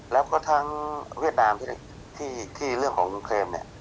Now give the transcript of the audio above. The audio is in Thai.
แล้วก็เวียดดามที่เรื่องของเมืองเนม